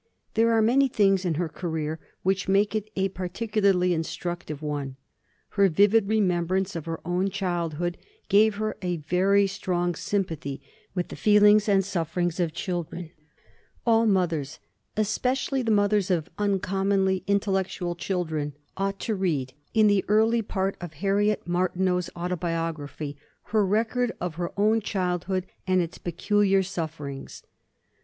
There are many things in her career which make it a particularly instructive one. Her vivid remembrance of her own childhood gave her a very strong sympathy with the feelings and sufferings of children; all mothers, especially the mothers of uncommonly intellectual children, ought to read, in the early part of Harriet Martineau's autobiography, her record of her own childhood, and its peculiar sufferings.